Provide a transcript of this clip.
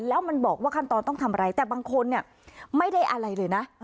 แล้วมันบอกว่าขั้นตอนต้องทำอะไรแต่บางคนเนี่ยไม่ได้อะไรเลยนะ